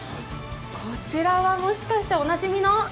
こちらはもしかしておなじみの？